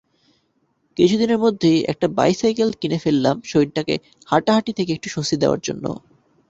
কিছুদিনের মধ্যেই একটা বাইসাইকেল কিনে ফেললাম শরীরটাকে হাঁটাহাঁটি থেকে একটু স্বস্তি দেওয়ার জন্য।